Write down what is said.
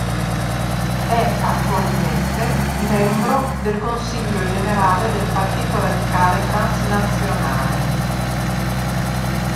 È attualmente membro del Consiglio generale del Partito Radicale Transnazionale.